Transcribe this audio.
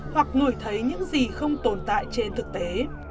hoặc nổi thấy những gì không tồn tại trên thực tế